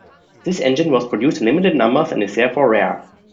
This engine was produced in limited numbers and is therefore rare.